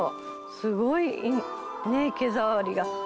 すごいねっ毛触りが。